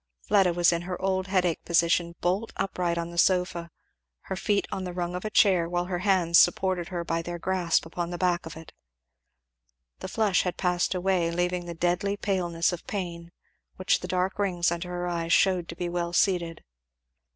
Fleda was in her old headache position; bolt upright on the sofa, her feet on the rung of a chair while her hands supported her by their grasp upon the back of it. The flush had passed away leaving the deadly paleness of pain, which the dark rings under her eyes shewed to be well seated.